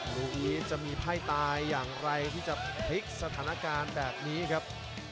ลูกนี้จะมีไพ่ตายอย่างไรที่จะพลิกสถานการณ์แบบนี้ครับ